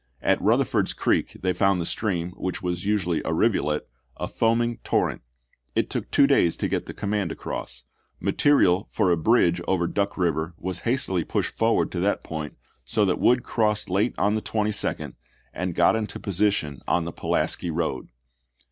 At Eutherford's Creek they found the stream, which was usually a rivulet, a foaming torrent. It took two days to get the command across; material for a bridge over Duck Eiver was hastily pushed forward to that point so that Wood crossed late on the 22d, and got into position on the Pulaski road.